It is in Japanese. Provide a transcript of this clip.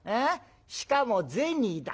しかも銭だ。